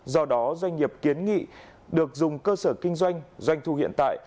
do đó doanh nghiệp kiến nghị được dùng cơ sở kinh doanh doanh thu hiện tại